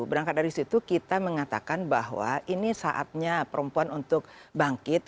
berangkat dari situ kita mengatakan bahwa ini saatnya perempuan untuk bangkit